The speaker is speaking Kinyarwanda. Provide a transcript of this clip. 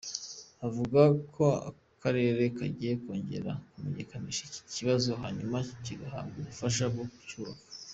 Avuga ko Akarere kagiye kongera kumenyekanisha iki kibazo hanyuma bagahabwa ubufasha bwo ku cyubaka.